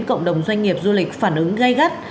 cộng đồng doanh nghiệp du lịch phản ứng gây gắt